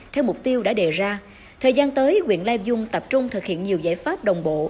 theo mục tiêu đã đề ra thời gian tới quyện lai dung tập trung thực hiện nhiều giải pháp đồng bộ